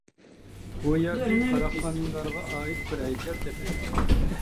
بۇ يەردىن قاراخانىيلارغا ئائىت بىر ھەيكەل تېپىلغان.